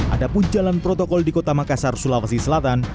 ada pun jalan protokol di kota makassar sulawesi selatan